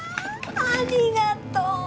ありがとう！